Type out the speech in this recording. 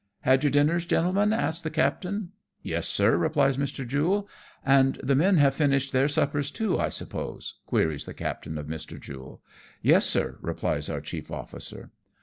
" Had your dinners, gentlemen ?" asks the captain, " Yes, sir," replies Mr. Jule. " And the men have finished their suppers too, I suppose ?" queries the captain of Mr. Jule. "Yes, sir," replies our chief officer.